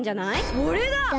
それだ！